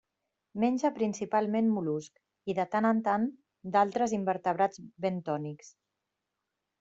Menja principalment mol·luscs i, de tant en tant, d'altres invertebrats bentònics.